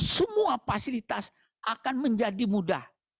semua fasilitas akan menjadi mudah